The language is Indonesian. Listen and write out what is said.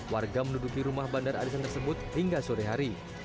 warga menuduki rumah bandar arisan tersebut hingga sore hari